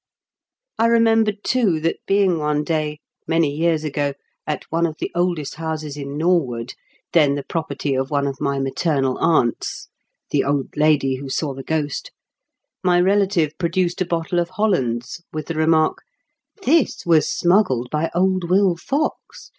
I remembered, too, that being one day, many years ago, at one of the oldest houses in Norwood, then the property of one of my maternal aunts (the old lady who saw the ghost), my relative produced a bottle of hol lands, with the remark :" This was smuggled by old Will Fox.